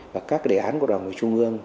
và các đề án của đảng người trung ương